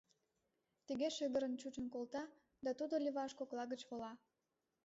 Тыге шыгырын чучын колта, да тудо леваш кокла гыч вола.